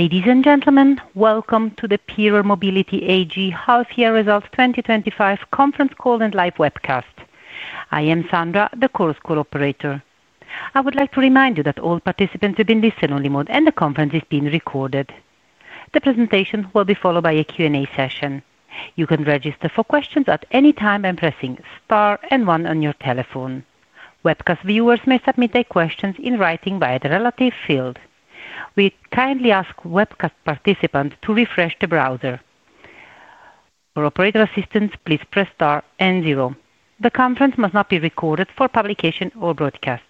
Ladies and gentlemen, welcome to the PIERER Mobility AG Half Year Result 2025 Conference Call and Live Webcast. I am Sandra, the call school operator. I would like to remind you that all participants will be in listen-only mode and the conference is being recorded. The presentation will be followed by a Q&A session. You can register for questions at any time by pressing *1 on your telephone. Webcast viewers may submit their questions in writing via the relative field. We kindly ask webcast participants to refresh the browser. For operator assistance, please press *0. The conference must not be recorded for publication or broadcast.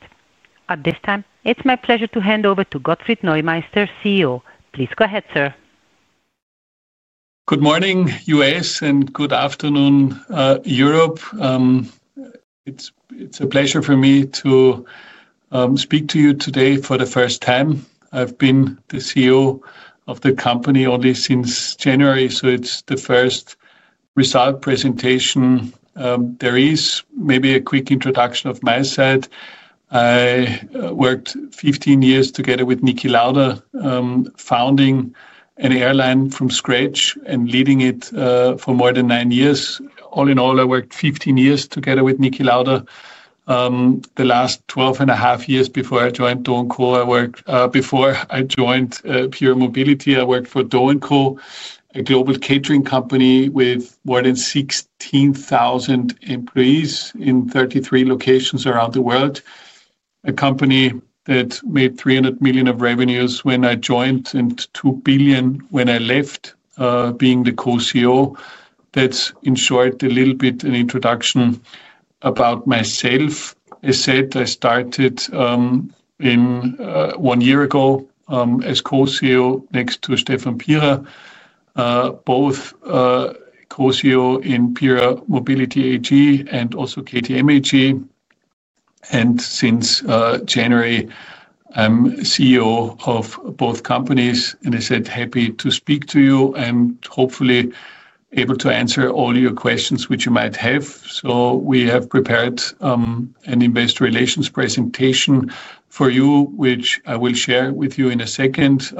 At this time, it's my pleasure to hand over to Gottfried Neumeister, CEO. Please go ahead, sir. Good morning, U.S., and good afternoon, Europe. It's a pleasure for me to speak to you today for the first time. I've been the CEO of the company only since January, so it's the first result presentation there is. Maybe a quick introduction of my side. I worked 15 years together with Niki Lauda, founding an airline from scratch and leading it for more than nine years. All in all, I worked 15 years together with Niki Lauda. The last 12 and a half years before I joined Do&Co, I worked before I joined PIERER Mobility, I worked for Do&Co, a global catering company with more than 16,000 employees in 33 locations around the world. A company that made 300 million in revenue when I joined and 2 billion when I left, being the co-CEO. That's in short a little bit of an introduction about myself. As I said, I started one year ago as co-CEO next to Stefan Pierer, both co-CEO in PIERER Mobility AG and also KTM AG. Since January, I'm CEO of both companies and as I said, happy to speak to you and hopefully able to answer all your questions which you might have. We have prepared an investor relations presentation for you, which I will share with you in a second.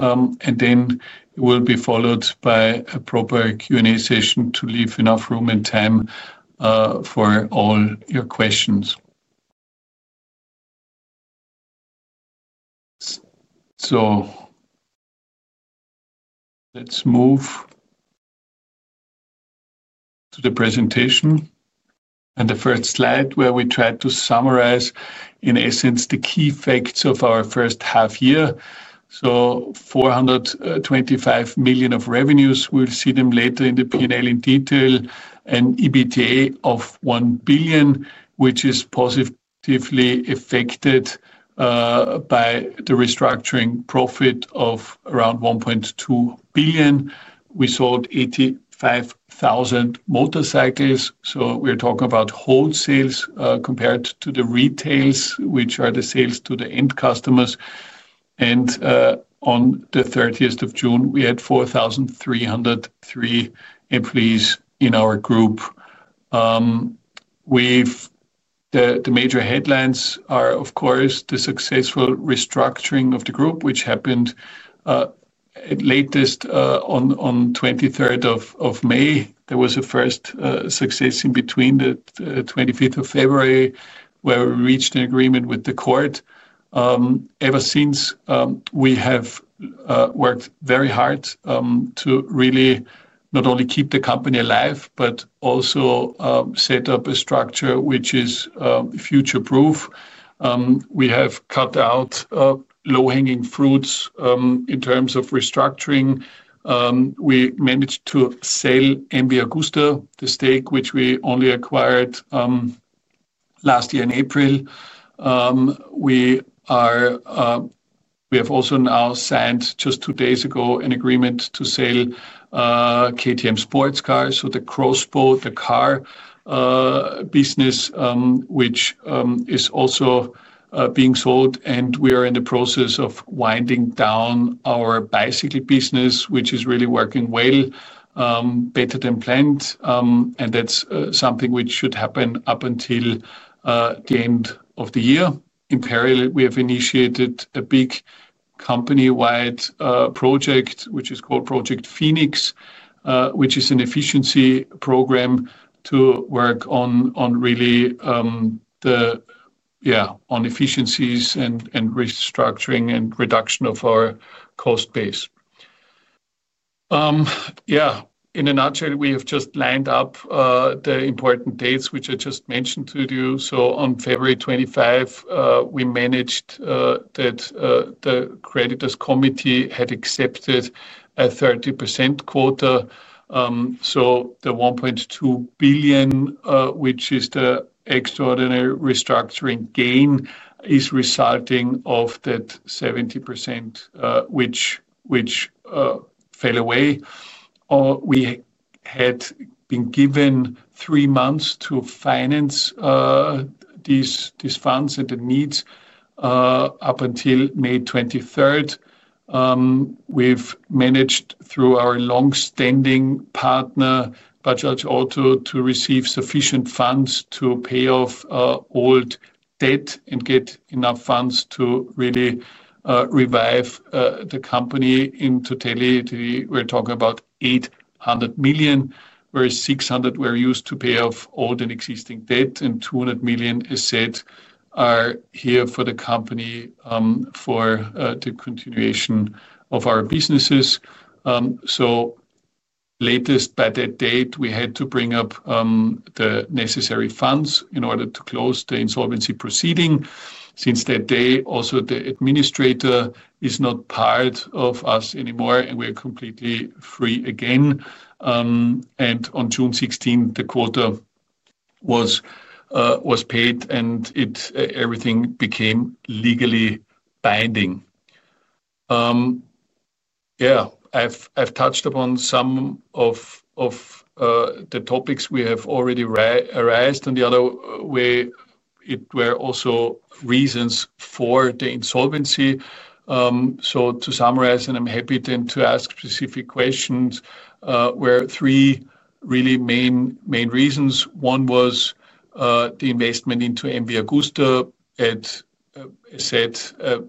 It will be followed by a proper Q&A session to leave enough room and time for all your questions. Let's move to the presentation. The first slide where we try to summarize, in essence, the key facts of our first half year. 425 million in revenues, we'll see them later in the P&L in detail. An EBITDA of 1 billion, which is positively affected by the restructuring profit of around 1.2 billion. We sold 85,000 motorcycles, so we're talking about wholesales compared to the retails, which are the sales to the end customers. On the 30th of June, we had 4,303 employees in our group. The major headlines are, of course, the successful restructuring of the group, which happened at the latest on the 23rd of May. There was a first success in between the 25th of February, where we reached an agreement with the court. Ever since, we have worked very hard to really not only keep the company alive, but also set up a structure which is future-proof. We have cut out low-hanging fruits in terms of restructuring. We managed to sell MV Agusta, the stake which we only acquired last year in April. We have also now signed, just two days ago, an agreement to sell KTM Sports Car, so the Crossbow, the car business, which is also being sold. We are in the process of winding down our bicycle business, which is really working well, better than planned. That's something which should happen up until the end of the year. In parallel, we have initiated a big company-wide project, which is called Project Phoenix, which is an efficiency program to work on efficiencies and restructuring and reduction of our cost base. In a nutshell, we have just lined up the important dates which I just mentioned to you. On February 25, we managed that the creditors' committee had accepted a 30% quota. The 1.2 billion, which is the extraordinary restructuring gain, is resulting from that 70% which fell away. We had been given three months to finance these funds and the needs up until May 23. We've managed through our longstanding partner, Bajaj Auto, to receive sufficient funds to pay off old debt and get enough funds to really revive the company. In totality, we're talking about 800 million, whereas 600 million were used to pay off old and existing debt, and 200 million is set here for the company for the continuation of our businesses. Latest by that date, we had to bring up the necessary funds in order to close the insolvency proceedings. Since that day, also the administrator is not part of us anymore, and we're completely free again. On June 16, the quota was paid and everything became legally binding. I've touched upon some of the topics we have already raised. On the other way, there were also reasons for the insolvency. To summarize, and I'm happy then to ask specific questions, there were three really main reasons. One was the investment into MV Agusta at a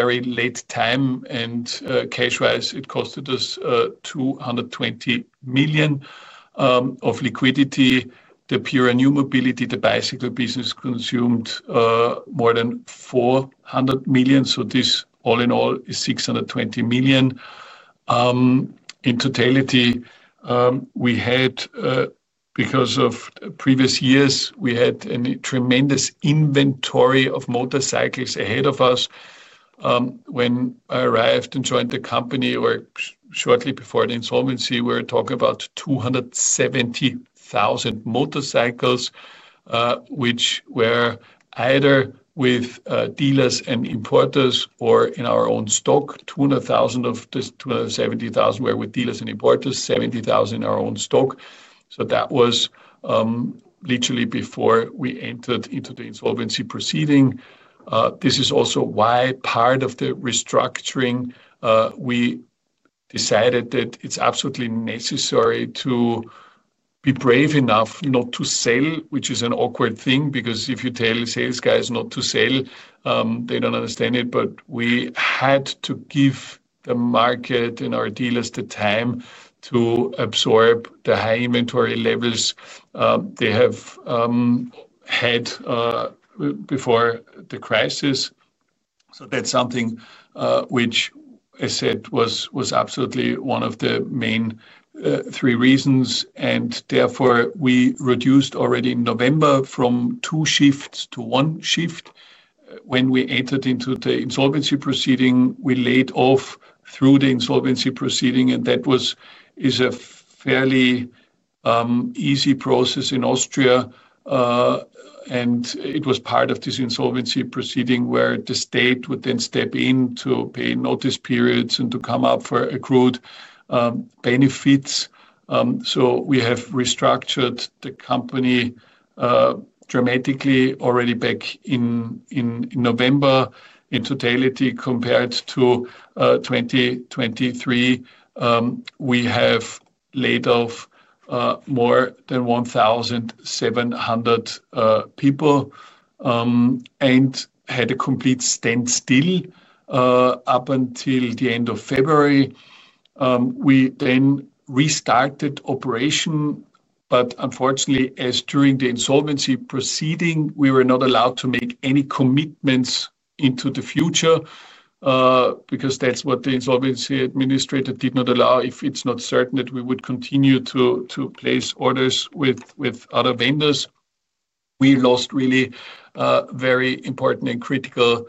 very late time, and cash-wise, it cost us 220 million of liquidity. The PIERER Mobility AG bicycle business consumed more than €400 million. This all in all is EUR620 million. In totality, we had, because of previous years, a tremendous inventory of motorcycles ahead of us. When I arrived and joined the company, we were shortly before the insolvency, we were talking about 270,000 motorcycles, which were either with dealers and importers or in our own stock. 200,000 of the 270,000 were with dealers and importers, 70,000 in our own stock. That was literally before we entered into the insolvency proceedings. This is also why, as part of the restructuring, we decided that it's absolutely necessary to be brave enough not to sell, which is an awkward thing because if you tell sales guys not to sell, they don't understand it. We had to give the market and our dealers the time to absorb the high inventory levels they have had before the crisis. That's something which I said was absolutely one of the main three reasons. Therefore, we reduced already in November from two shifts to a one-shift model. When we entered into the insolvency proceedings, we laid off through the insolvency proceedings, and that was a fairly easy process in Austria. It was part of these insolvency proceedings where the state would then step in to pay notice periods and to come up for accrued benefits. We have restructured the company dramatically already back in November. In totality, compared to 2023, we have laid off more than 1,700 people and had a complete standstill up until the end of February. We then restarted operation, but unfortunately, as during the insolvency proceedings, we were not allowed to make any commitments into the future because that's what the insolvency administrator did not allow. If it's not certain that we would continue to place orders with other vendors, we lost really a very important and critical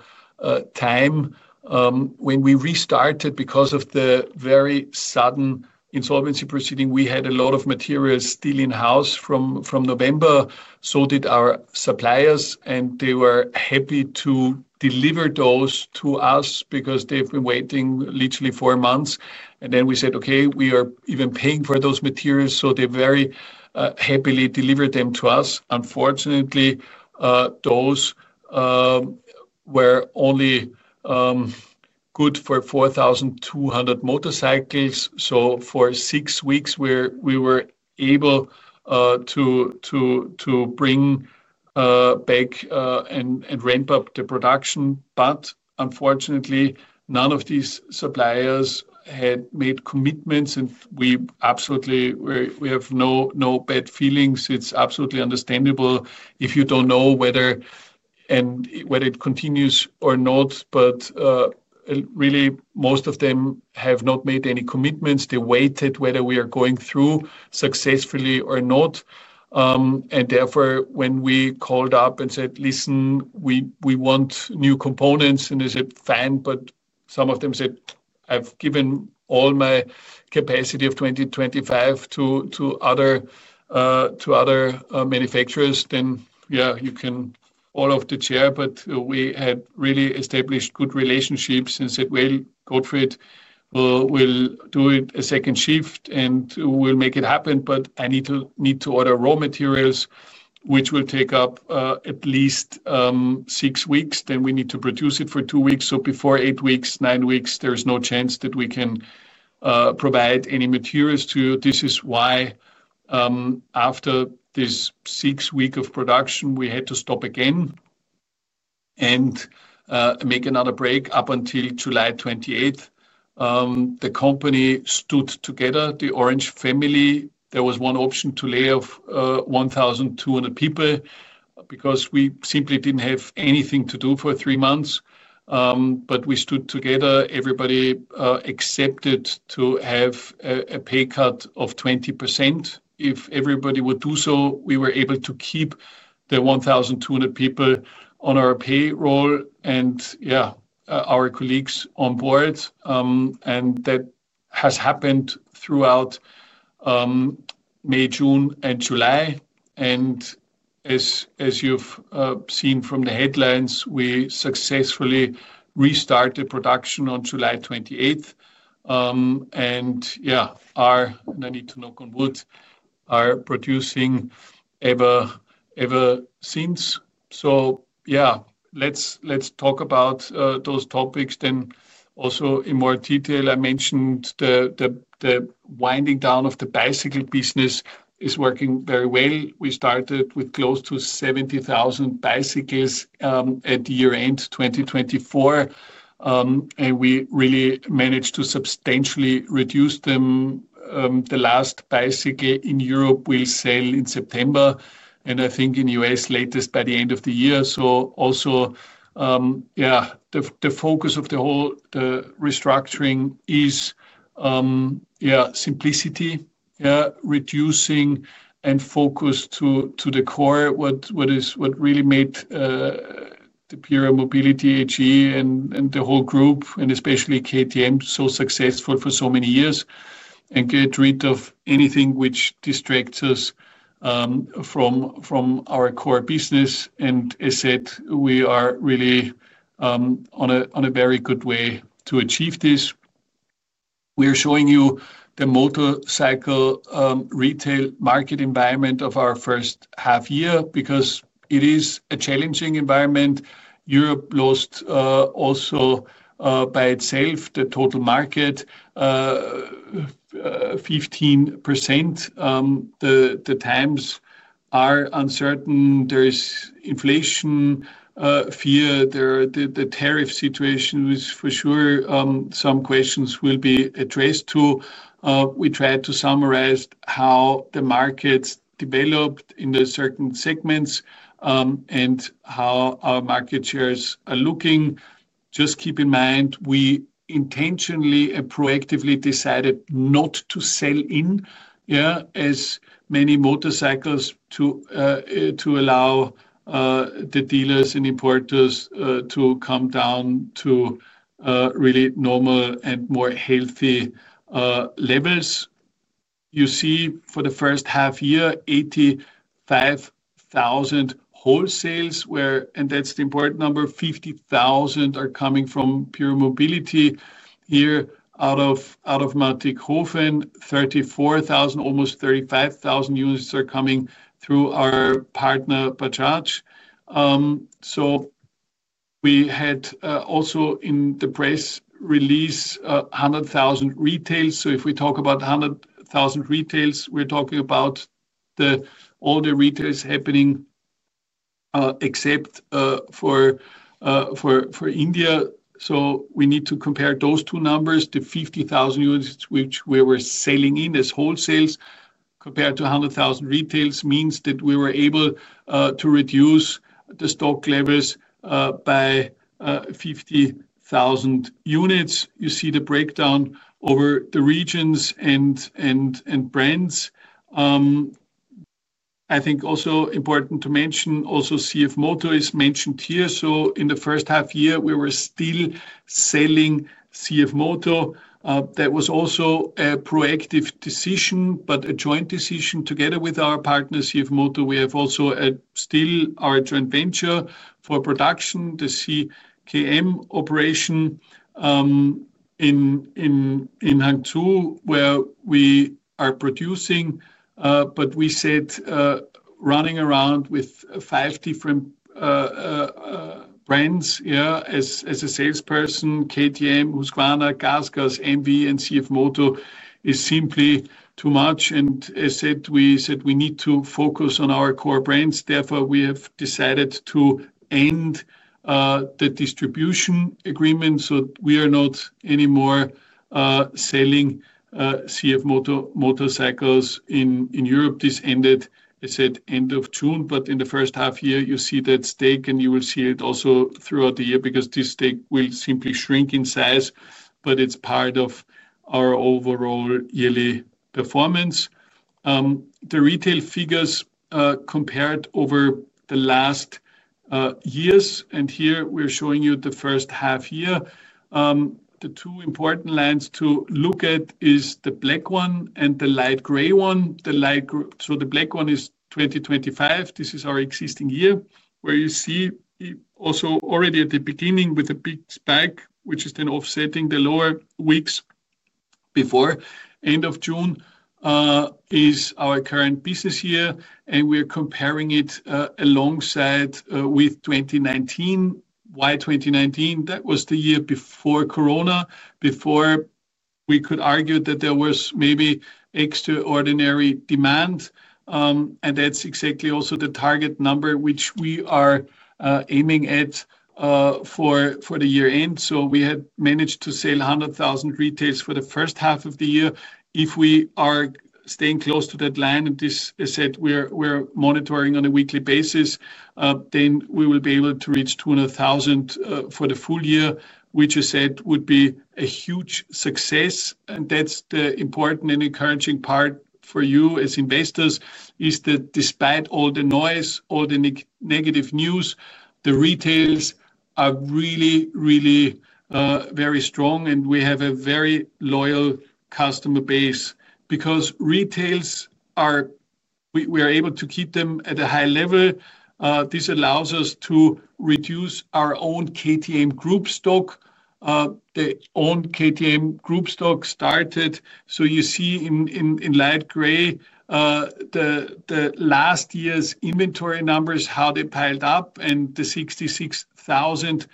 time. When we restarted because of the very sudden insolvency proceedings, we had a lot of materials still in-house from November. So did our suppliers, and they were happy to deliver those to us because they've been waiting literally four months. We said, "Okay, we are even paying for those materials." They very happily delivered them to us. Unfortunately, those were only good for 4,200 motorcycles. For six weeks, we were able to bring back and ramp up the production. Unfortunately, none of these suppliers had made commitments, and we absolutely have no bad feelings. It's absolutely understandable if you don't know whether it continues or not. Most of them have not made any commitments. They waited whether we are going through successfully or not. Therefore, when we called up and said, "Listen, we want new components," they said, "Fine," but some of them said, "I've given all my capacity of 2025 to other manufacturers, then yeah, you can all off the chair." We had really established good relationships and said, "Go for it." We'll do it a second shift and we'll make it happen, but I need to order raw materials, which will take up at least six weeks. Then we need to produce it for two weeks. Before eight weeks, nine weeks, there's no chance that we can provide any materials to you. This is why after this six-week of production, we had to stop again and make another break up until July 28, 2024. The company stood together, the Orange family. There was one option to lay off 1,200 people because we simply didn't have anything to do for three months. We stood together. Everybody accepted to have a pay cut of 20%. If everybody would do so, we were able to keep the 1,200 people on our payroll and, yeah, our colleagues on board. That has happened throughout May, June, and July. As you've seen from the headlines, we successfully restarted production on July 28, 2024. I need to knock on wood, are producing ever since. Let's talk about those topics then also in more detail. I mentioned the winding down of the bicycle business is working very well. We started with close to 70,000 bicycles at the year-end 2024. We really managed to substantially reduce them. The last bicycle in Europe will sell in September. I think in the U.S., latest by the end of the year. The focus of the whole restructuring is, yeah, simplicity, reducing and focus to the core. What really made PIERER Mobility AG and the whole group, and especially KTM, so successful for so many years and get rid of anything which distracts us from our core business. As I said, we are really on a very good way to achieve this. We are showing you the motorcycle retail market environment of our first half year because it is a challenging environment. Europe lost also by itself the total market, 15%. The times are uncertain. There is inflation fear. The tariff situation is for sure. Some questions will be addressed too. We tried to summarize how the markets developed in certain segments and how our market shares are looking. Just keep in mind, we intentionally and proactively decided not to sell in as many motorcycles to allow the dealers and importers to come down to really normal and more healthy levels. You see, for the first half year, 85,000 wholesales were, and that's the important number, 50,000 are coming from PIERER Mobility here. Out of Mattighofen, 34,000, almost 35,000 units are coming through our partner, Bajaj Auto. We had also in the press release 100,000 retails. If we talk about 100,000 retails, we're talking about all the retails happening except for India. We need to compare those two numbers. The 50,000 units which we were selling in as wholesales compared to 100,000 retails means that we were able to reduce the stock levels by 50,000 units. You see the breakdown over the regions and brands. I think also important to mention, also CF Moto is mentioned here. In the first half year, we were still selling CF Moto. That was also a proactive decision, but a joint decision together with our partner, CF Moto. We have also still our joint venture for production, the CKM operation in Hangzhou, where we are producing. We said running around with five different brands, yeah, as a salesperson, KTM, Husqvarna, GasGas, MV, and CF Moto is simply too much. As I said, we said we need to focus on our core brands. Therefore, we have decided to end the distribution agreement. We are not anymore selling CF Moto motorcycles in Europe. This ended, as I said, end of June. In the first half year, you see that stake, and you will see it also throughout the year because this stake will simply shrink in size. It's part of our overall yearly performance. The retail figures compared over the last years, and here we're showing you the first half year. The two important lines to look at are the black one and the light gray one. The black one is 2025. This is our existing year, where you see also already at the beginning with a big spike, which is then offsetting the lower weeks before end of June, is our current business year. We're comparing it alongside with 2019. Why 2019? That was the year before corona, before we could argue that there was maybe extraordinary demand. That's exactly also the target number which we are aiming at for the year-end. We had managed to sell 100,000 retails for the first half of the year. If we are staying close to that line, and this, as I said, we're monitoring on a weekly basis, then we will be able to reach 200,000 for the full year, which I said would be a huge success. That's the important and encouraging part for you as investors, is that despite all the noise, all the negative news, the retails are really, really very strong and we have a very loyal customer base because retails, we are able to keep them at a high level. This allows us to reduce our own KTM group stock. The own KTM group stock started. You see in light gray the last year's inventory numbers, how they piled up and the 66,000,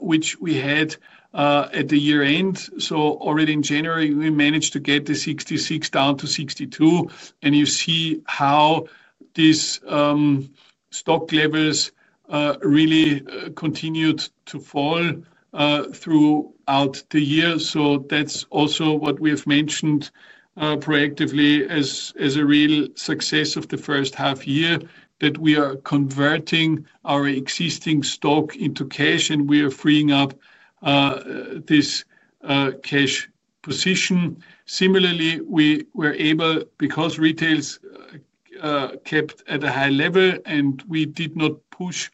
which we had at the year-end. Already in January, we managed to get the 66 down to 62. You see how these stock levels really continued to fall throughout the year. That's also what we have mentioned proactively as a real success of the first half year, that we are converting our existing stock into cash and we are freeing up this cash position. Similarly, we were able, because retails kept at a high level and we did not push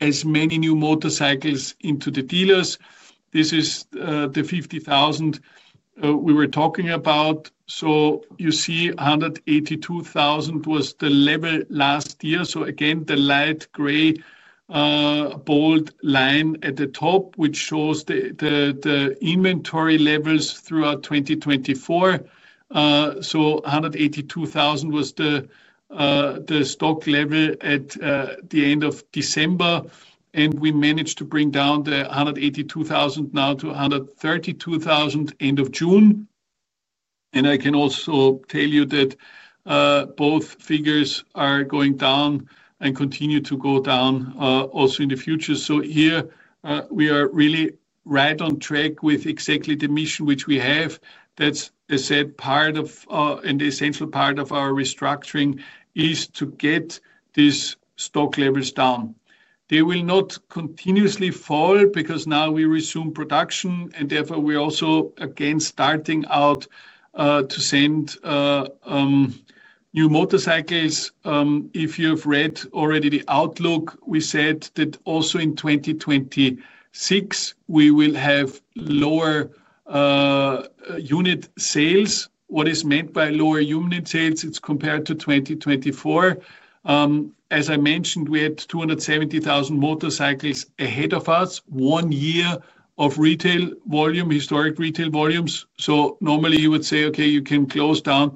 as many new motorcycles into the dealers. This is the 50,000 we were talking about. You see 182,000 was the level last year. The light gray bold line at the top shows the inventory levels throughout 2024. 182,000 was the stock level at the end of December. We managed to bring down the 182,000 now to 132,000 end of June. I can also tell you that both figures are going down and continue to go down also in the future. Here, we are really right on track with exactly the mission which we have. That's a said part of and the essential part of our restructuring is to get these stock levels down. They will not continuously fall because now we resume production and therefore we're also again starting out to send new motorcycles. If you have read already the outlook, we said that also in 2026, we will have lower unit sales. What is meant by lower unit sales? It's compared to 2024. As I mentioned, we had 270,000 motorcycles ahead of us, one year of retail volume, historic retail volumes. Normally, you would say, "Okay, you can close down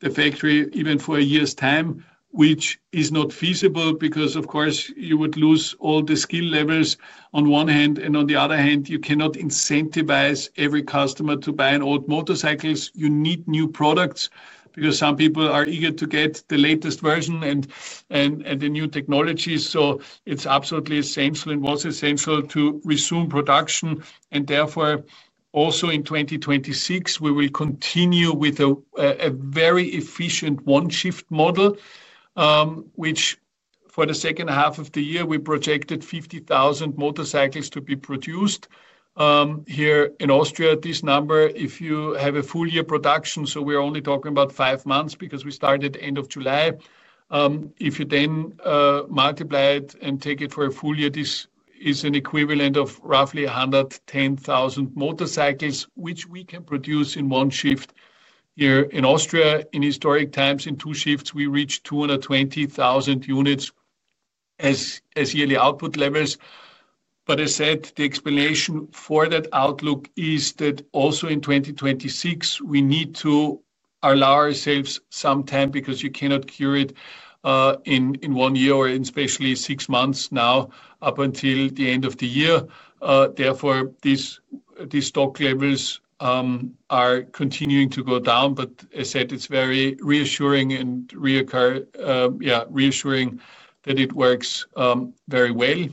the factory even for a year's time," which is not feasible because, of course, you would lose all the skill levels on one hand. On the other hand, you cannot incentivize every customer to buy an old motorcycle. You need new products because some people are eager to get the latest version and the new technologies. It's absolutely essential and was essential to resume production. Therefore, also in 2026, we will continue with a very efficient one-shift model, which for the second half of the year, we projected 50,000 motorcycles to be produced. Here in Austria, this number, if you have a full year production, we're only talking about five months because we started end of July. If you then multiply it and take it for a full year, this is an equivalent of roughly 110,000 motorcycles, which we can produce in one shift. Here in Austria, in historic times, in two shifts, we reach 220,000 units as yearly output levels. As I said, the explanation for that outlook is that also in 2026, we need to allow ourselves some time because you cannot cure it in one year or especially six months now up until the end of the year. Therefore, these stock levels are continuing to go down. As I said, it's very reassuring and reassuring that it works very well.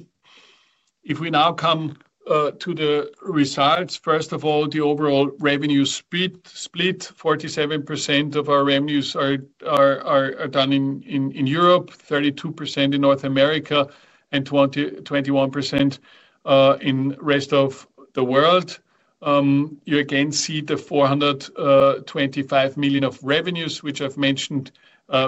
If we now come to the results, first of all, the overall revenue split, 47% of our revenues are done in Europe, 32% in North America, and 21% in the rest of the world. You again see the 425 million of revenues, which I've mentioned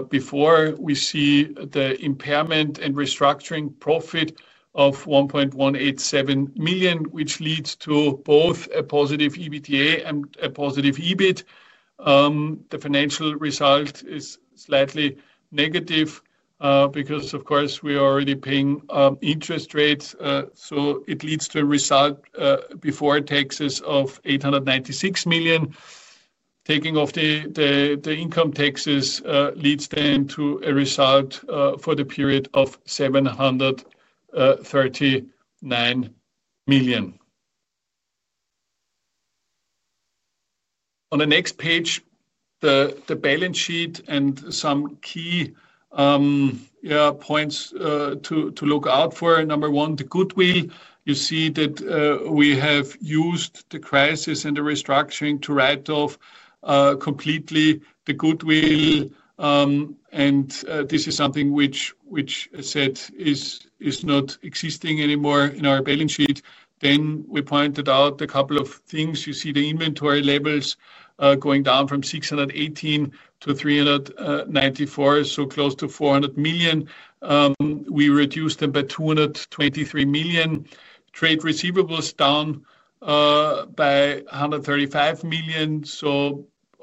before. We see the impairment and restructuring profit of 1.187 million, which leads to both a positive EBITDA and a positive EBIT. The financial result is slightly negative because, of course, we are already paying interest rates. It leads to a result before taxes of €896 million. Taking off the income taxes leads then to a result for the period of EUR739 million. On the next page, the balance sheet and some key points to look out for. Number one, the goodwill. You see that we have used the crisis and the restructuring to write off completely the goodwill. This is something which, as I said, is not existing anymore in our balance sheet. We pointed out a couple of things. You see the inventory levels going down from 618 million-EUR394 million, so close to €400 million. We reduced them by 223 million. Trade receivables down by 135 million.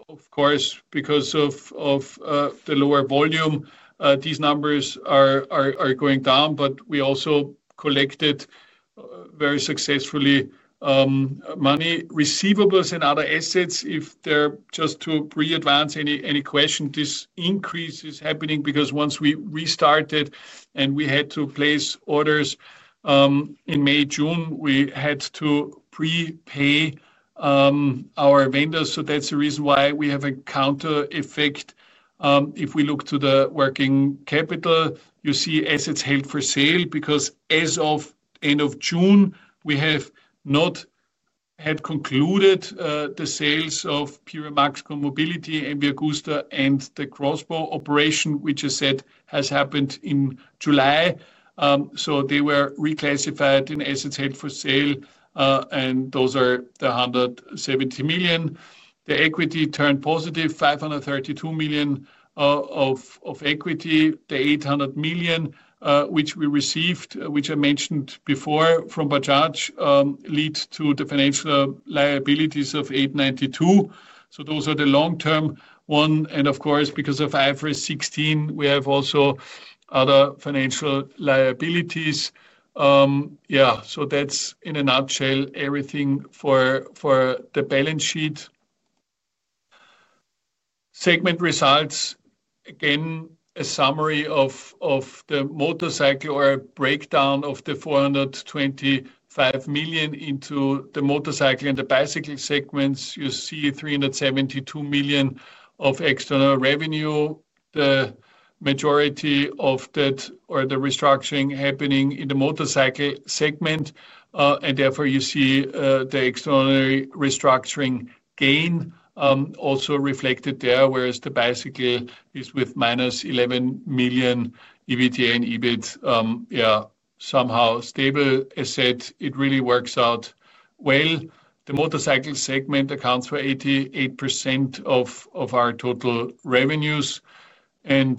Of course, because of the lower volume, these numbers are going down. We also collected very successfully money, receivables, and other assets. If they're just to readvance any question, this increase is happening because once we restarted and we had to place orders in May, June, we had to prepay our vendors. That's the reason why we have a counter effect. If we look to the working capital, you see assets held for sale because as of end of June, we have not had concluded the sales of PIERER Mobility AG, MV Agusta, and the Crossbow operation, which I said has happened in July. They were reclassified in assets held for sale, and those are the 170 million. The equity turned positive, 532 million of equity. The €800 million, which we received, which I mentioned before from Bajaj, leads to the financial liabilities of 892 million. Those are the long-term ones. Of course, because of IFRS 16, we have also other financial liabilities. Yeah, so that's in a nutshell everything for the balance sheet. Segment results, again, a summary of the motorcycle or a breakdown of the 425 million into the motorcycle and the bicycle segments. You see 372 million of external revenue. The majority of that or the restructuring happening in the motorcycle segment. Therefore, you see the extraordinary restructuring gain also reflected there, whereas the bicycle is with minus 11 million EBITDA and EBIT, yeah, somehow stable. As I said, it really works out well. The motorcycle segment accounts for 88% of our total revenues. On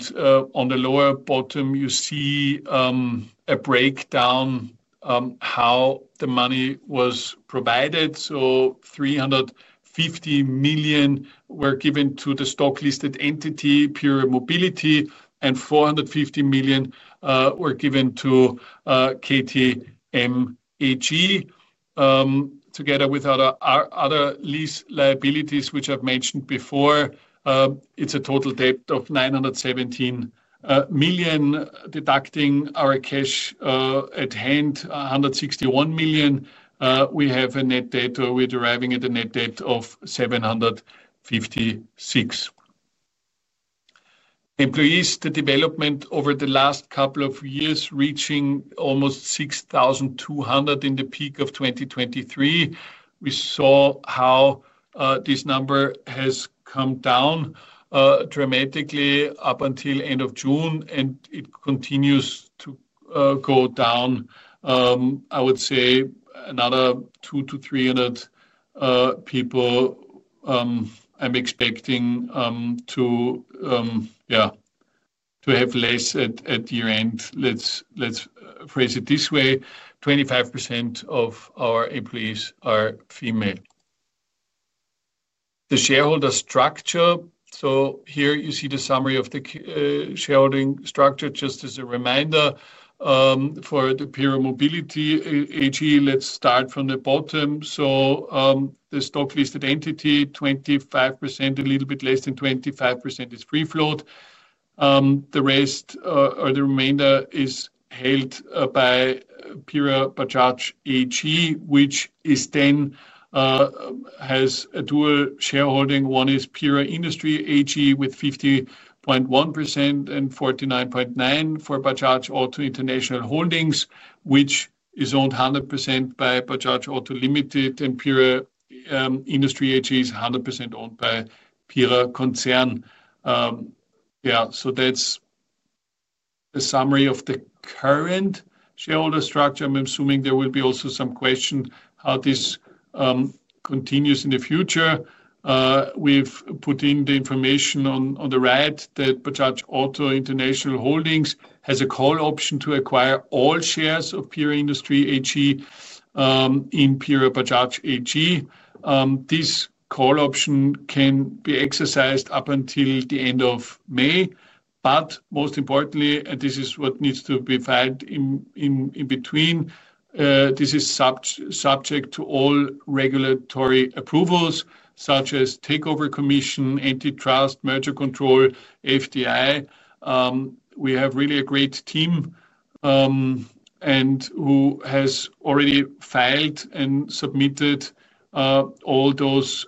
the lower bottom, you see a breakdown how the money was provided. 350 million were given to the stock-listed entity, PIERER Mobility AG, and 450 million were given to KTM AG. Together with other lease liabilities, which I've mentioned before, it's a total debt of 917 million deducting our cash at hand, 161 million. We have a net debt or we're deriving at a net debt of 756 million. Employees, the development over the last couple of years reaching almost 6,200 in the peak of 2023. We saw how this number has come down dramatically up until the end of June, and it continues to go down. I would say another 200-300 people I'm expecting to have less at the year-end. Let's phrase it this way. 25% of our employees are female. The shareholder structure. Here you see the summary of the shareholding structure just as a reminder. For the PIERER Mobility AG, let's start from the bottom. The stock-listed entity, 25%, a little bit less than 25% is free float. The rest or the remainder is held by PIERER Bajaj AG, which then has a dual shareholding. One is PIERER Industry AG with 50.1% and 49.9% for Bajaj Auto International Holdings, which is owned 100% by Bajaj Auto Ltd. PIERER Industry AG is 100% owned by PIERER Concern. Yeah, so that's a summary of the current shareholder structure. I'm assuming there will be also some question how this continues in the future. We've put in the information on the right that Bajaj Auto International Holdings has a call option to acquire all shares of PIERER Industry AG in PIERER Bajaj AG. This call option can be exercised up until the end of May. Most importantly, and this is what needs to be filed in between, this is subject to all regulatory approvals such as Takeover Commission, Antitrust, Merger Control, FDI. We have really a great team who has already filed and submitted all those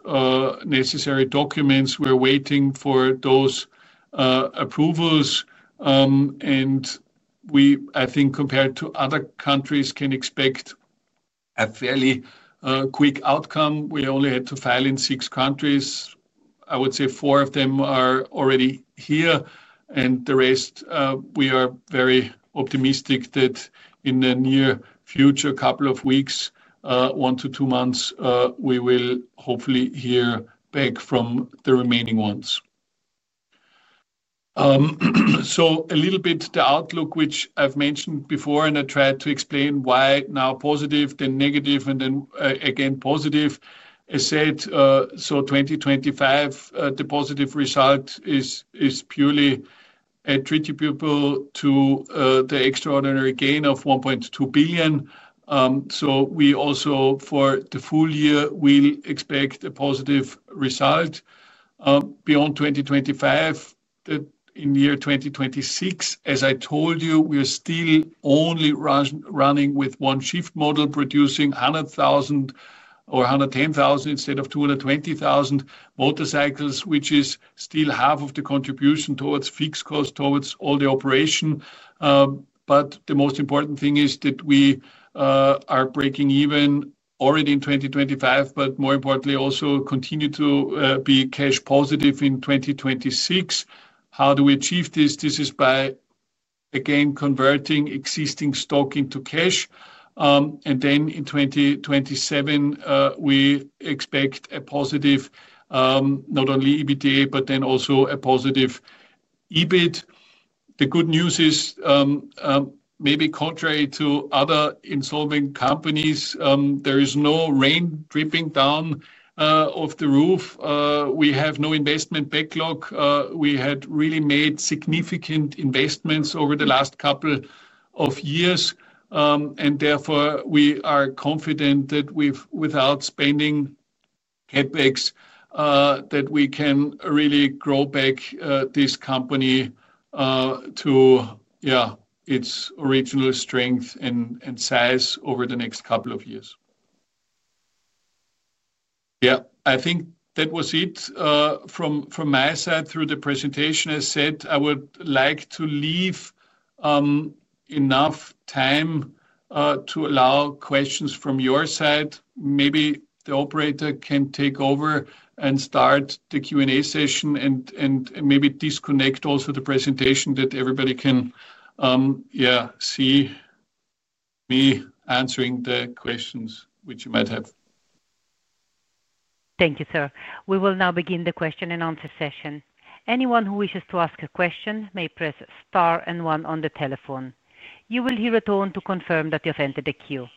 necessary documents. We're waiting for those approvals. We, I think, compared to other countries, can expect a fairly quick outcome. We only had to file in six countries. I would say four of them are already here. The rest, we are very optimistic that in the near future, a couple of weeks, one to two months, we will hopefully hear back from the remaining ones. A little bit the outlook, which I've mentioned before, I tried to explain why now positive, then negative, and then again positive. As I said, 2025, the positive result is purely attributable to the extraordinary gain of $1.2 billion. We also, for the full year, will expect a positive result. Beyond 2025, in the year 2026, as I told you, we are still only running with one-shift model, producing 100,000 or 110,000 instead of 220,000 motorcycles, which is still half of the contribution towards fixed cost towards all the operation. The most important thing is that we are breaking even already in 2025, but more importantly, also continue to be cash positive in 2026. How do we achieve this? This is by, again, converting existing stock into cash. In 2027, we expect a positive, not only EBITDA but then also a positive EBIT. The good news is, maybe contrary to other insolving companies, there is no rain dripping down off the roof. We have no investment backlog. We had really made significant investments over the last couple of years. Therefore, we are confident that without spending headwinds, we can really grow back this company to its original strength and size over the next couple of years. I think that was it from my side through the presentation. As I said, I would like to leave enough time to allow questions from your side. Maybe the operator can take over and start the Q&A session and maybe disconnect also the presentation that everybody can see me answering the questions which you might have. Thank you, sir. We will now begin the question and answer session. Anyone who wishes to ask a question may press star and one on the telephone. You will hear a tone to confirm that you have entered the queue.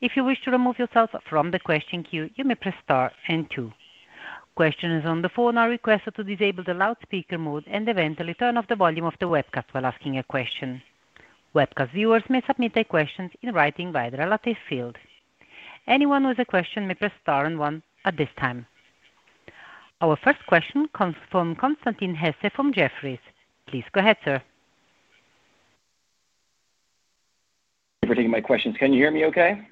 If you wish to remove yourself from the question queue, you may press star and two. Questioners on the phone are requested to disable the loudspeaker mode and eventually turn off the volume of the webcast while asking a question. Webcast viewers may submit their questions in writing via the latest field. Anyone with a question may press star and one at this time. Our first question comes from Constantin Hesse from Jefferies. Please go ahead, sir. If you're taking my questions, can you hear me okay?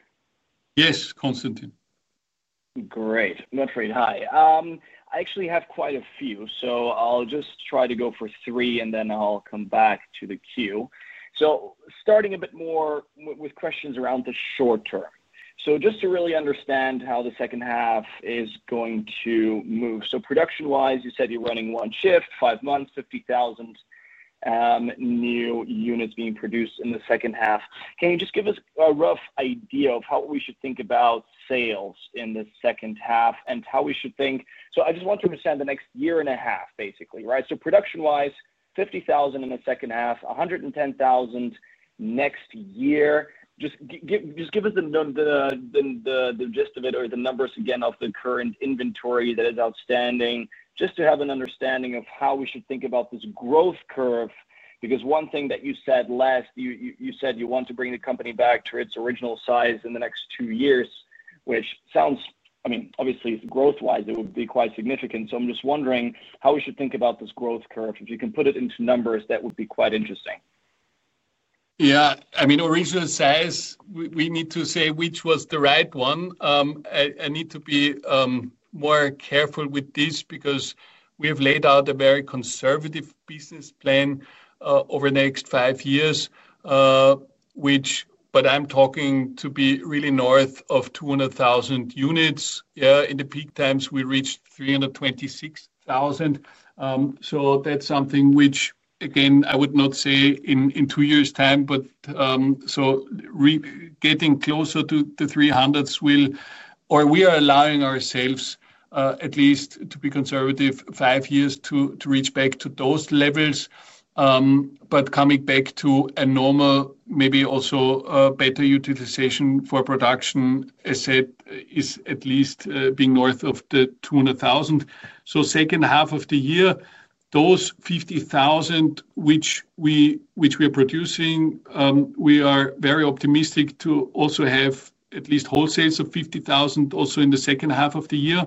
Yes, Constantin. Great. I'm not very high. I actually have quite a few, so I'll just try to go for three and then I'll come back to the queue. Starting a bit more with questions around the short term, just to really understand how the second half is going to move. Production-wise, you said you're running one shift, five months, 50,000 new units being produced in the second half. Can you just give us a rough idea of how we should think about sales in the second half and how we should think? I just want to understand the next year and a half, basically, right? Production-wise, 50,000 in the second half, 110,000 next year. Just give us the gist of it or the numbers again of the current inventory that is outstanding just to have an understanding of how we should think about this growth curve. One thing that you said last, you said you want to bring the company back to its original size in the next two years, which sounds, I mean, obviously, growth-wise, it would be quite significant. I'm just wondering how we should think about this growth curve. If you can put it into numbers, that would be quite interesting. Yeah, I mean, original size, we need to say which was the right one. I need to be more careful with this because we have laid out a very conservative business plan over the next five years, but I'm talking to be really north of 200,000 units. In the peak times, we reached 326,000. That's something which, again, I would not say in two years' time, getting closer to the 300s will, or we are allowing ourselves at least to be conservative five years to reach back to those levels. Coming back to a normal, maybe also better utilization for production, as I said, is at least being north of the 200,000. Second half of the year, those 50,000 which we are producing, we are very optimistic to also have at least wholesales of 50,000 also in the second half of the year.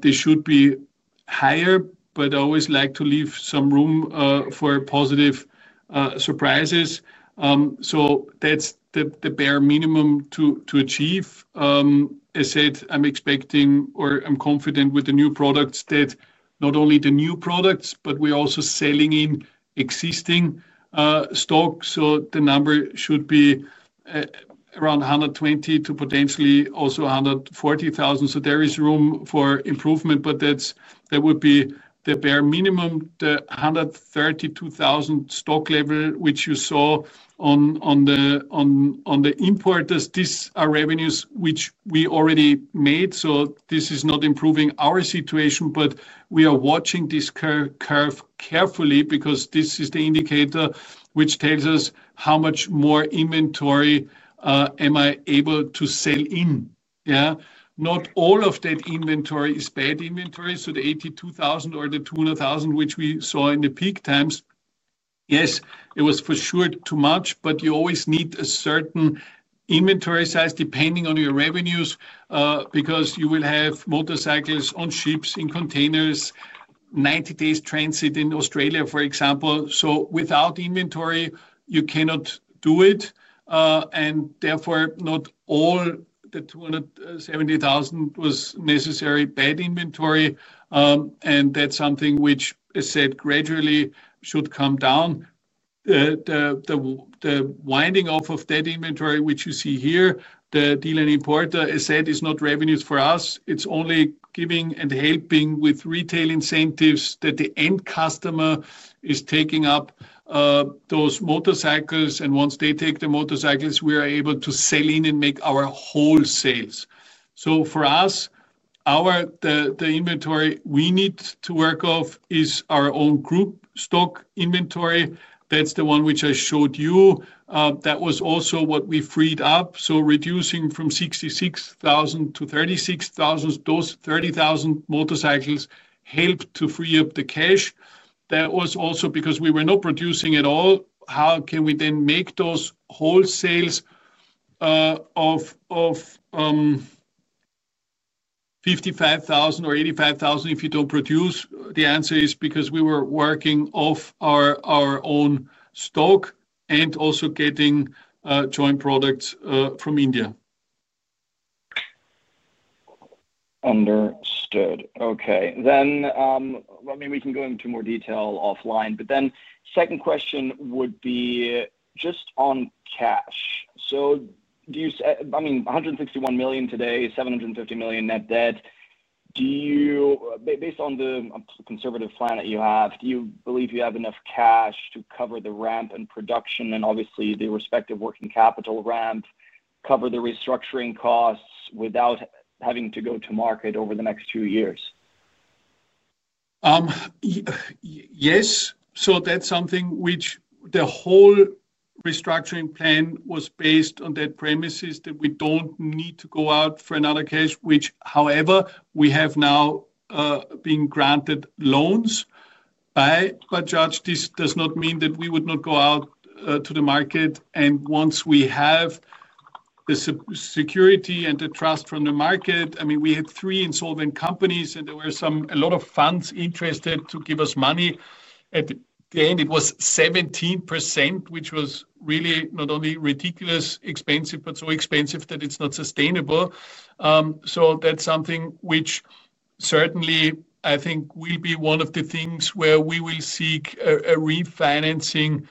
They should be higher, but I always like to leave some room for positive surprises. That's the bare minimum to achieve. As I said, I'm expecting or I'm confident with the new products that not only the new products, but we're also selling in existing stock. The number should be around 120,000 to potentially also 140,000. There is room for improvement, but that would be the bare minimum, the 132,000 stock level, which you saw on the importers. These are revenues which we already made. This is not improving our situation, but we are watching this curve carefully because this is the indicator which tells us how much more inventory am I able to sell in. Not all of that inventory is bad inventory. The 82,000 or the 200,000 which we saw in the peak times, yes, it was for sure too much, but you always need a certain inventory size depending on your revenues because you will have motorcycles on ships in containers, 90 days transit in Australia, for example. Without inventory, you cannot do it. Therefore, not all the 270,000 was necessarily bad inventory. That's something which, as I said, gradually should come down. The winding off of that inventory, which you see here, the dealer and importer, as I said, is not revenues for us. It's only giving and helping with retail incentives that the end customer is taking up those motorcycles. Once they take the motorcycles, we are able to sell in and make our wholesales. For us, the inventory we need to work off is our own group stock inventory. That's the one which I showed you. That was also what we freed up. Reducing from 66,000-36,000, those 30,000 motorcycles helped to free up the cash. That was also because we were not producing at all. How can we then make those wholesales of 55,000 or 85,000 if you don't produce? The answer is because we were working off our own stock and also getting joint products from India. Understood. Okay. We can go into more detail offline. Second question would be just on cash. Do you say, I mean, 161 million today, 750 million net debt. Do you, based on the conservative plan that you have, believe you have enough cash to cover the ramp and production and obviously the respective working capital ramp, cover the restructuring costs without having to go to market over the next two years? Yes. That's something which the whole restructuring plan was based on, that premise is that we don't need to go out for another case, which, however, we have now been granted loans by Bajaj. This does not mean that we would not go out to the market. Once we have the security and the trust from the market, I mean, we had three insolvent companies and there were a lot of funds interested to give us money. At the end, it was 17%, which was really not only ridiculously expensive, but so expensive that it's not sustainable. That's something which certainly I think will be one of the things where we will seek a refinancing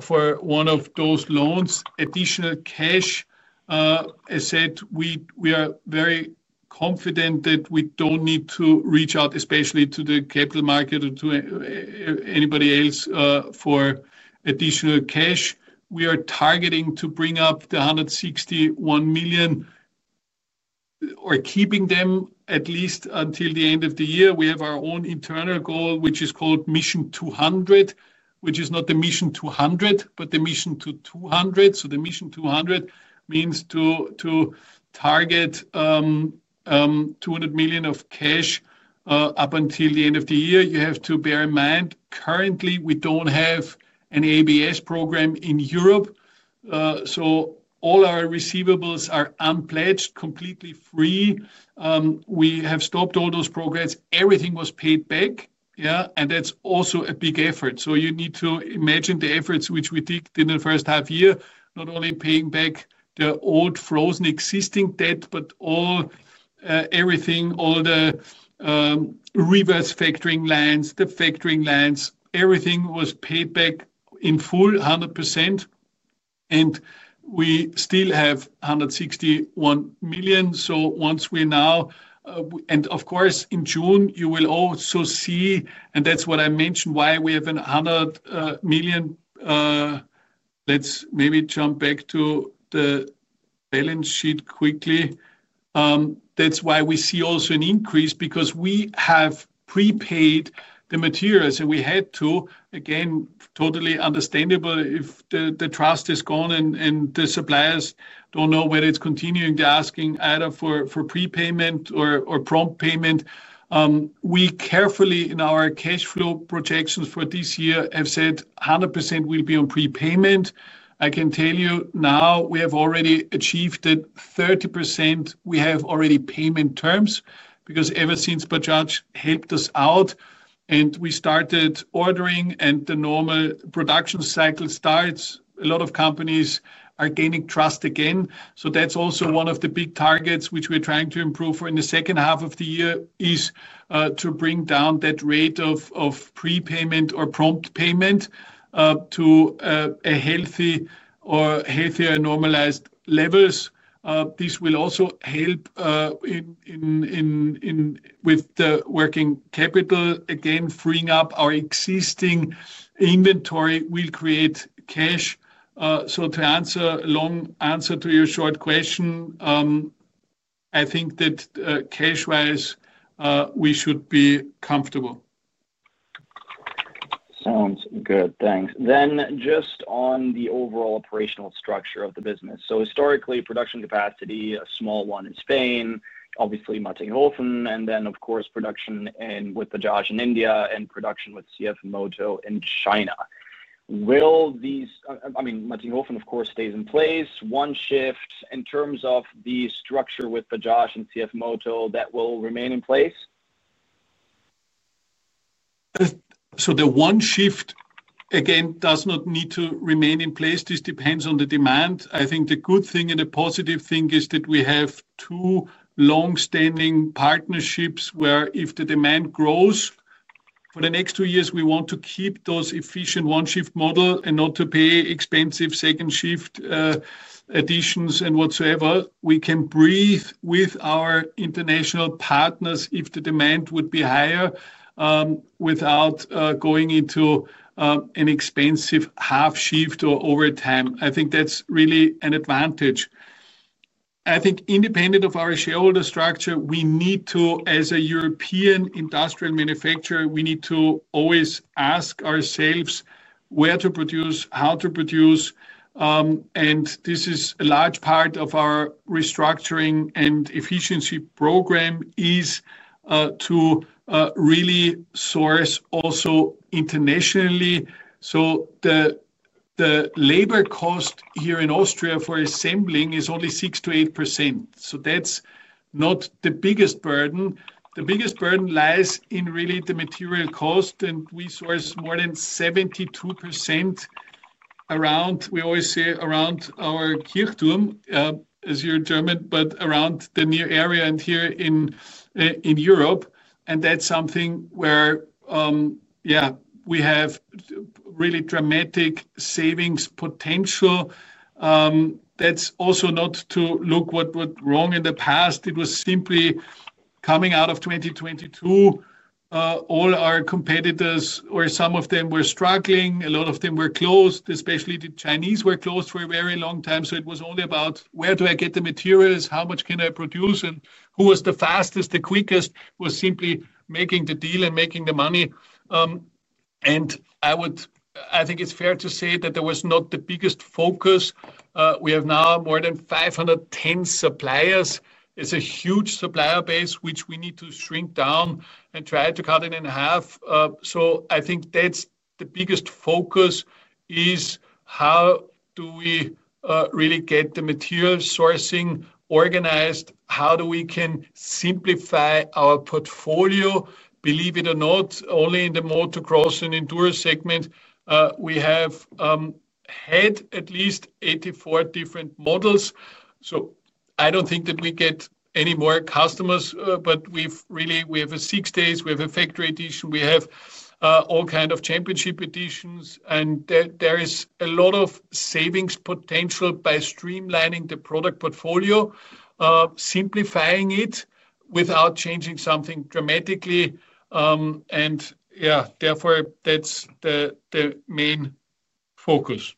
for one of those loans, additional cash. As I said, we are very confident that we don't need to reach out, especially to the capital market or to anybody else for additional cash. We are targeting to bring up the 161 million or keeping them at least until the end of the year. We have our own internal goal, which is called Mission 200, which is not the Mission 200, but the Mission to 200. The Mission 200 means to target 200 million of cash up until the end of the year. You have to bear in mind, currently, we don't have an ABS program in Europe. All our receivables are unpledged, completely free. We have stopped all those programs. Everything was paid back. That's also a big effort. You need to imagine the efforts which we did in the first half year, not only paying back the old frozen existing debt, but everything, all the reverse factoring lines, the factoring lines, everything was paid back in full, 100%. We still have 161 million. Once we're now, and of course, in June, you will also see, and that's what I mentioned, why we have 100 million. Let's maybe jump back to the balance sheet quickly. That's why we see also an increase because we have prepaid the materials. We had to, again, totally understandable if the trust is gone and the suppliers don't know whether it's continuing to asking either for prepayment or prompt payment. We carefully, in our cash flow projections for this year, have said 100% will be on prepayment. I can tell you now we have already achieved that 30% we have already payment terms because ever since Bajaj helped us out and we started ordering and the normal production cycle starts, a lot of companies are gaining trust again. That is also one of the big targets which we're trying to improve for in the second half of the year, to bring down that rate of prepayment or prompt payment to a healthy or healthier normalized level. This will also help with the working capital. Again, freeing up our existing inventory will create cash. To answer a long answer to your short question, I think that cash-wise, we should be comfortable. Thanks. Just on the overall operational structure of the business, historically, production capacity, a small one in Spain, obviously Mattighofen, and then, of course, production with Bajaj in India and production with CF Moto in China. Will these, I mean, Mattighofen, of course, stays in place. One shift in terms of the structure with Bajaj and CF Moto, that will remain in place? The one-shift model, again, does not need to remain in place. This depends on the demand. I think the good thing and the positive thing is that we have two longstanding partnerships where if the demand grows for the next two years, we want to keep those efficient one-shift model and not to pay expensive second shift additions and whatsoever. We can breathe with our international partners if the demand would be higher without going into an expensive half shift or overtime. I think that's really an advantage. I think independent of our shareholder structure, we need to, as a European industrial manufacturer, always ask ourselves where to produce, how to produce. This is a large part of our restructuring and efficiency program, to really source also internationally. The labor cost here in Austria for assembling is only 6%-8%. That's not the biggest burden. The biggest burden lies in really the material cost. We source more than 72% around, we always say around our Kirchturm, as you're German, but around the near area and here in Europe. That's something where we have really dramatic savings potential. That's also not to look at what went wrong in the past. It was simply coming out of 2022. All our competitors, or some of them, were struggling. A lot of them were closed. Especially the Chinese were closed for a very long time. It was only about where do I get the materials, how much can I produce, and who was the fastest, the quickest, was simply making the deal and making the money. I think it's fair to say that there was not the biggest focus. We have now more than 510 suppliers. It's a huge supplier base, which we need to shrink down and try to cut it in half. I think that's the biggest focus, how do we really get the material sourcing organized? How do we simplify our portfolio? Believe it or not, only in the motocross and enduro segment, we have had at least 84 different models. I don't think that we get any more customers, but we've really, we have a six days, we have a factory edition, we have all kinds of championship editions. There is a lot of savings potential by streamlining the product portfolio, simplifying it without changing something dramatically. Therefore, that's the main focus.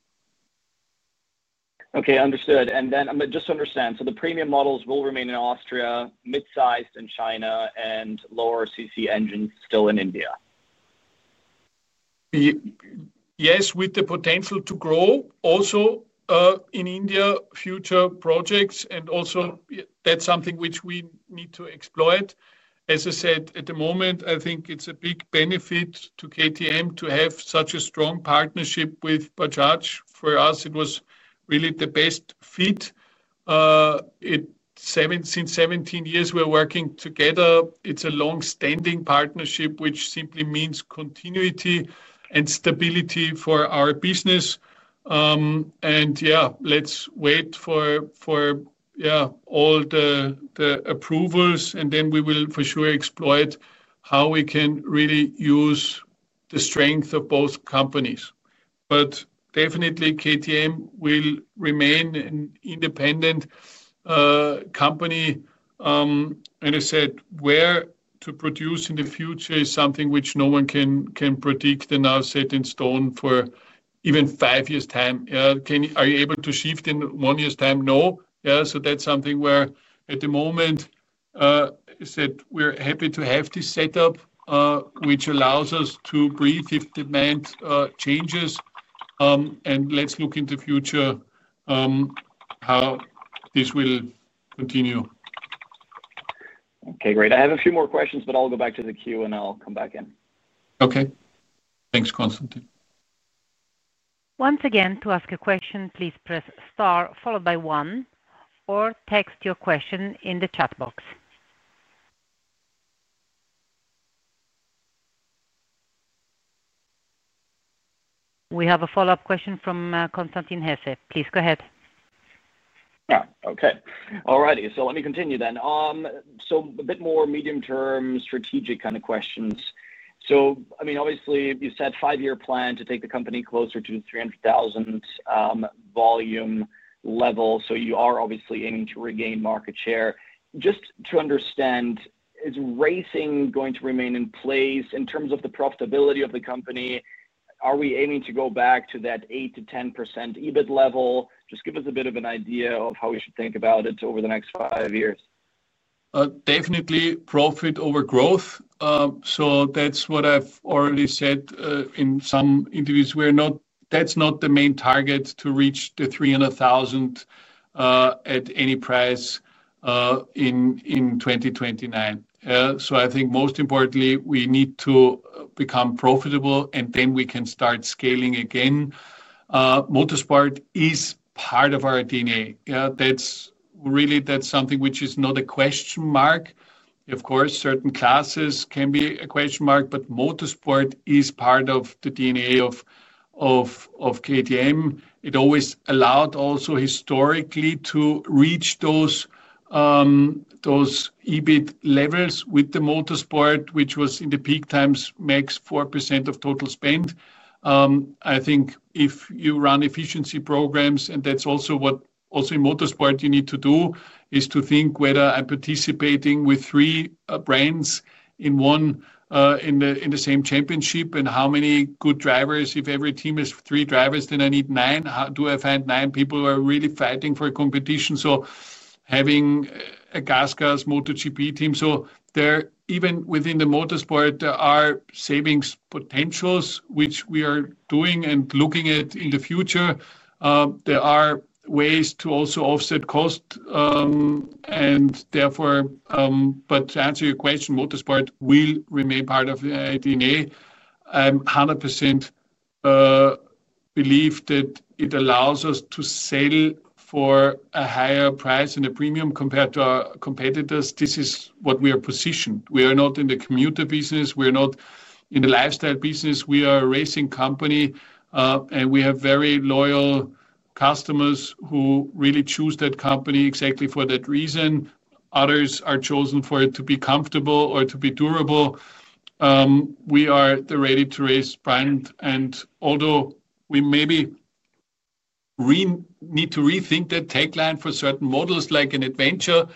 Okay, understood. I'm just to understand, the premium models will remain in Austria, mid-sized in China, and lower CC engines still in India. Yes, with the potential to grow also in India, future projects, and also that's something which we need to exploit. As I said, at the moment, I think it's a big benefit to KTM to have such a strong partnership with Bajaj Auto. For us, it was really the best fit. Since 17 years, we're working together. It's a longstanding partnership, which simply means continuity and stability for our business. Yeah, let's wait for all the approvals, and then we will for sure exploit how we can really use the strength of both companies. Definitely, KTM will remain an independent company. I said, where to produce in the future is something which no one can predict and now set in stone for even five years' time. Are you able to shift in one year's time? No. That's something where at the moment, I said we're happy to have this setup, which allows us to breathe if demand changes. Let's look in the future how this will continue. Okay, great. I have a few more questions, but I'll go back to the queue and I'll come back in. Okay. Thanks, Constantin. Once again, to ask a question, please press star followed by one or text your question in the chat box. We have a follow-up question from Constantin Hesse. Please go ahead. Okay. All righty. Let me continue then. A bit more medium-term strategic kind of questions. I mean, obviously, you said five-year plan to take the company closer to the 300,000 volume level. You are obviously aiming to regain market share. Just to understand, is racing going to remain in place in terms of the profitability of the company? Are we aiming to go back to that 8-10% EBIT level? Just give us a bit of an idea of how we should think about it over the next five years. Definitely profit over growth. That's what I've already said in some interviews. That's not the main target to reach the 300,000 at any price in 2029. I think most importantly, we need to become profitable and then we can start scaling again. Motorsport is part of our DNA. That's really, that's something which is not a question mark. Of course, certain classes can be a question mark, but motorsport is part of the DNA of KTM. It always allowed also historically to reach those EBIT levels with the motorsport, which was in the peak times max 4% of total spend. I think if you run efficiency programs, and that's also what in motorsport you need to do, is to think whether I'm participating with three brands in the same championship and how many good drivers. If every team has three drivers, then I need nine. Do I find nine people who are really fighting for a competition? Having a GasGas MotoGP team, there even within the motorsport, there are savings potentials, which we are doing and looking at in the future. There are ways to also offset cost. Therefore, to answer your question, motorsport will remain part of the DNA. I 100% believe that it allows us to sell for a higher price and a premium compared to our competitors. This is what we are positioned. We are not in the commuter business. We are not in the lifestyle business. We are a racing company, and we have very loyal customers who really choose that company exactly for that reason. Others are chosen for it to be comfortable or to be durable. We are the ready-to-race brand. Although we maybe need to rethink that tagline for certain models like an adventure,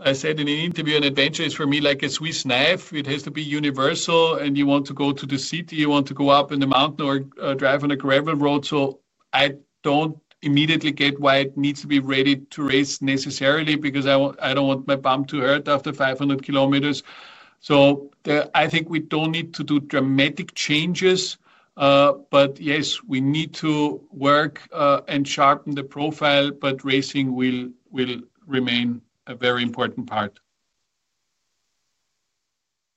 I said in an interview, an adventure is for me like a Swiss knife. It has to be universal, and you want to go to the city, you want to go up in the mountain or drive on a gravel road. I don't immediately get why it needs to be ready to race necessarily because I don't want my bum to hurt after 500km. I think we don't need to do dramatic changes. Yes, we need to work and sharpen the profile, but racing will remain a very important part.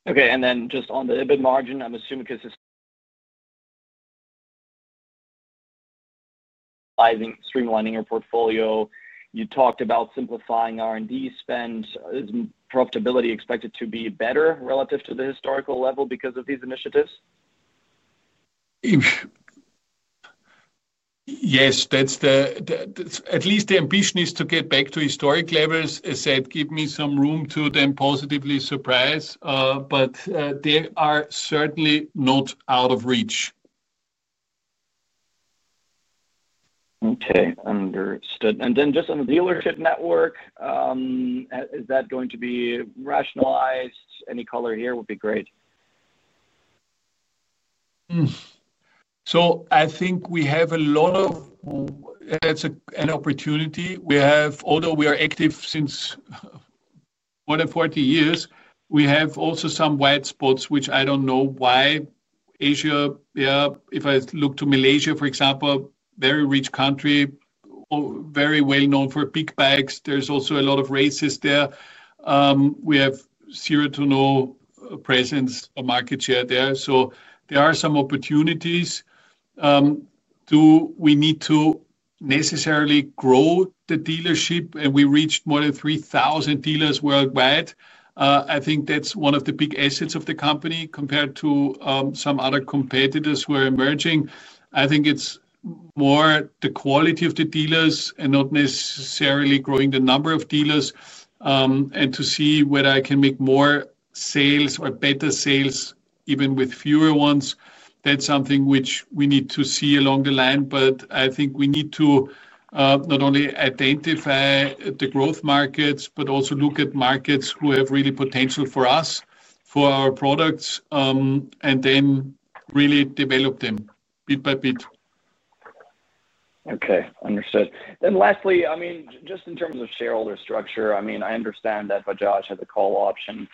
Okay. On the EBIT margin, I'm assuming because this streamlining your portfolio, you talked about simplifying R&D spend. Is profitability expected to be better relative to the historical level because of these initiatives? Yes, at least the ambition is to get back to historic levels. As I said, give me some room to then positively surprise, but they are certainly not out of reach. Okay, understood. Just on the dealer network, is that going to be rationalized? Any color here would be great. I think we have a lot of, and that's an opportunity. Although we are active since more than 40 years, we have also some white spots, which I don't know why. Asia, yeah, if I look to Malaysia, for example, a very rich country, or very well known for big bikes. There's also a lot of races there. We have zero to no presence or market share there. There are some opportunities. Do we need to necessarily grow the dealership? We reached more than 3,000 dealers worldwide. I think that's one of the big assets of the company compared to some other competitors who are emerging. I think it's more the quality of the dealers and not necessarily growing the number of dealers. To see whether I can make more sales or better sales even with fewer ones, that's something which we need to see along the line. I think we need to not only identify the growth markets, but also look at markets who have really potential for us, for our products, and then really develop them bit by bit. Okay, understood. Lastly, just in terms of shareholder structure, I understand that Bajaj has a call option,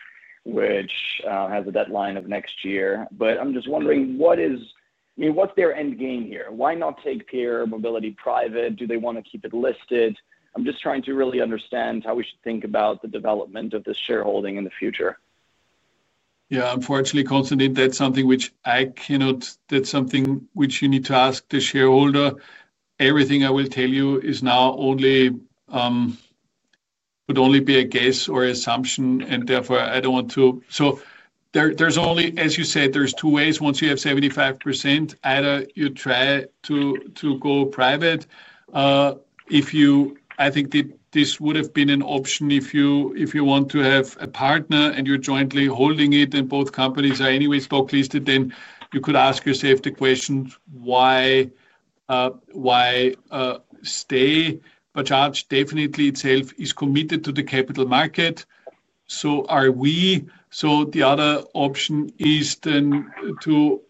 which has a deadline of next year. I'm just wondering, what is their end game here? Why not take PIERER Mobility AG private? Do they want to keep it listed? I'm just trying to really understand how we should think about the development of this shareholding in the future. Yeah, unfortunately, Constantin, that's something which I cannot, that's something which you need to ask the shareholder. Everything I will tell you now would only be a guess or assumption. Therefore, I don't want to. There's only, as you said, two ways. Once you have 75%, either you try to go private. I think this would have been an option if you want to have a partner and you're jointly holding it and both companies are anyway stock listed, then you could ask yourself the question, why stay? Bajaj definitely itself is committed to the capital market. So are we. The other option is then to,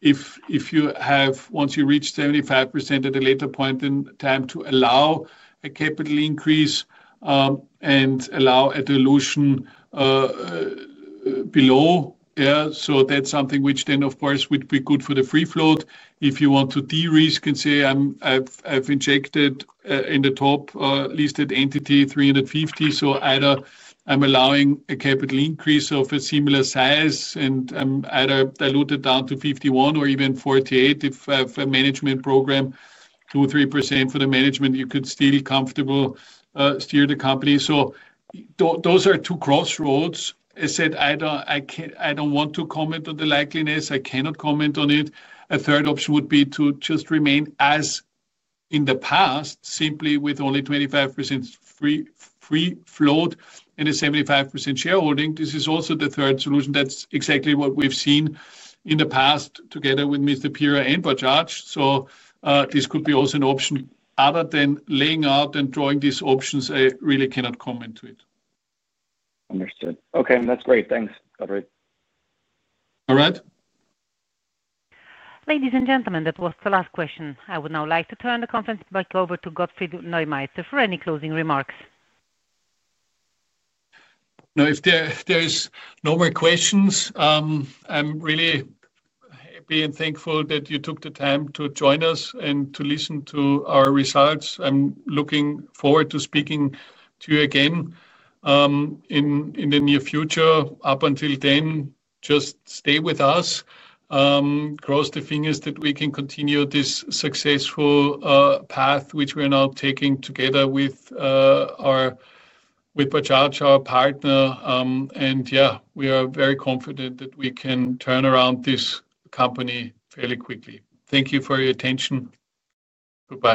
if you have, once you reach 75% at a later point in time, to allow a capital increase and allow a dilution below. That's something which then, of course, would be good for the free float. If you want to de-risk and say I've injected in the top listed entity 350 million, so either I'm allowing a capital increase of a similar size and I'm either diluted down to 51% or even 48%. If I have a management program, 2% or 3% for the management, you could still comfortably steer the company. Those are two crossroads. I said I don't want to comment on the likeliness, I cannot comment on it. A third option would be to just remain as in the past, simply with only 25% free float and a 75% shareholding. This is also the third solution. That's exactly what we've seen in the past together with Mr. Pierer and Bajaj. This could also be an option. Other than laying out and drawing these options, I really cannot comment to it. Understood. Okay, that's great. Thanks, Sandra. All right. Ladies and gentlemen, that was the last question. I would now like to turn the conference back over to Gottfried Neumeister for any closing remarks. No, if there are no more questions, I'm really happy and thankful that you took the time to join us and to listen to our results. I'm looking forward to speaking to you again in the near future. Up until then, just stay with us. Cross the fingers that we can continue this successful path which we are now taking together with Bajaj Auto, our partner. We are very confident that we can turn around this company fairly quickly. Thank you for your attention. Goodbye.